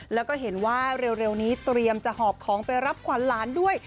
แล้วก็เห็นว่าเร็วนี้เตรียมจะหอบของไปรับขวัญหลานด้วย